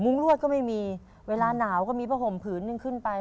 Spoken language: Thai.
รวดก็ไม่มีเวลาหนาวก็มีผ้าห่มผืนนึงขึ้นไป